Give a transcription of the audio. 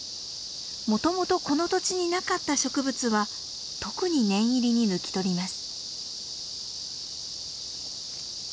もともとこの土地になかった植物は特に念入りに抜き取ります。